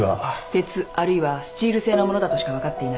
鉄あるいはスチール製のものだとしか分かっていない。